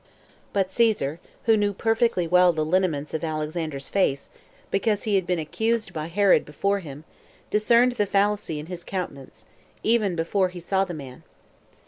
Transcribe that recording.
2. But Caesar, who knew perfectly well the lineaments of Alexander's face, because he had been accused by Herod before him, discerned the fallacy in his countenance, even before he saw the man.